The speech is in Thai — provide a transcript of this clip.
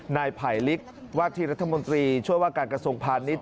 นายไผลลิกว่าที่รัฐมนตรีช่วยว่าการกระทรวงพาณิชย